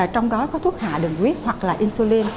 trong đó có thuốc hạ đường huyết hoặc là insulin